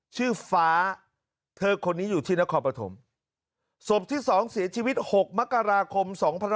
ชื่อฟ้าเธอคนนี้อยู่ที่นครปฐมศพที่๒เสียชีวิต๖มกราคม๒๕๖๒